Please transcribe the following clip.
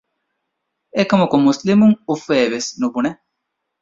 އެކަމަކު މުސްލިމް އުފްއޭވެސް ނުބުނެ